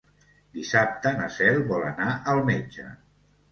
Dissabte na Cel vol anar al metge.